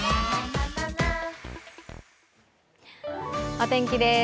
お天気です。